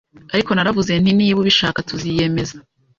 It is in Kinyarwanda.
ariko naravuze nti Niba ubishaka tuziyemeza